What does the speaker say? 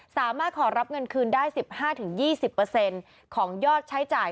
สามารถขอรับเงินคืนได้๑๕๒๐ของยอดใช้จ่าย